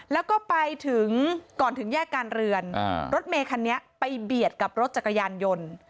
แล้วก็ไปถึงก่อนถึงแยกการเรือนรถเมคันนี้ไปเบียดกับรถจักรยานยนต์